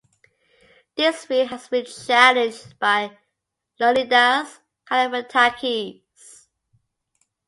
This view has been challenged by Leonidas Kallivretakis.